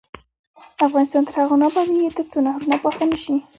افغانستان تر هغو نه ابادیږي، ترڅو نهرونه پاخه نشي.